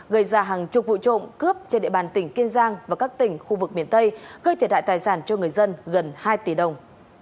gây ra hàng chục vụ trộm cướp trên địa bàn tỉnh kiên giang và các tỉnh khu vực miền tây gây thiệt hại tài sản cho người dân gần hai tỷ đồng